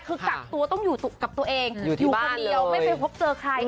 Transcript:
คือกักตัวต้องอยู่กับตัวเองอยู่คนเดียวไม่ไปพบเจอใคร